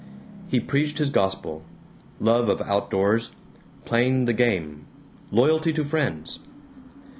He preached his gospel: love of outdoors, Playing the Game, loyalty to friends.